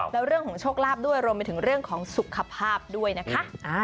แล้วเรื่องของโชคลาภด้วยรวมไปถึงเรื่องของสุขภาพด้วยนะคะ